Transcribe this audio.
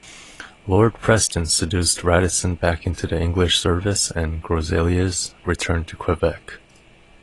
Lord Preston seduced Radisson back into the English service and Groseilliers returned to Quebec.